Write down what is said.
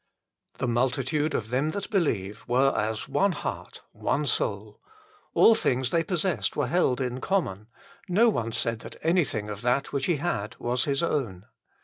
The multitude of them that believe were as one heart, one soul : all things they possessed were held in common ; no one said that anything of that which he had was his own.